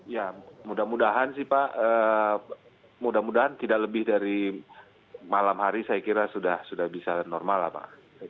ya mudah mudahan sih pak mudah mudahan tidak lebih dari malam hari saya kira sudah bisa normal lah pak